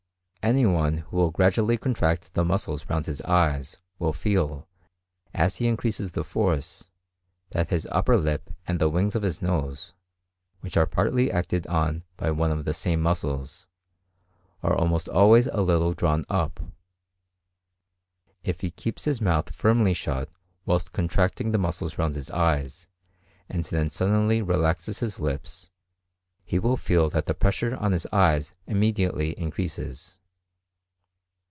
Any one who will gradually contract the muscles round his eyes, will feel, as he increases the force, that his upper lip and the wings of his nose (which are partly acted on by one of the same muscles) are almost always a little drawn up. If he keeps his mouth firmly shut whilst contracting the muscles round the eyes, and then suddenly relaxes his lips, he will feel that the pressure on his eyes immediately increases.